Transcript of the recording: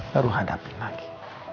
taruh hadapi lagi